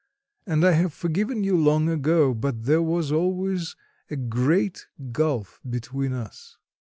And I have forgiven you long ago; but there was always a great gulf between us."